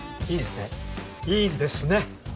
いいんですねいいんですね？